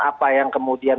apa yang kemudian